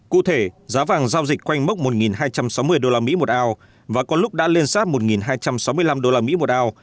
cụ thể giá vàng giao dịch quanh mốc một hai trăm sáu mươi usd một ao và có lúc đã lên sát một hai trăm sáu mươi năm usd một ounce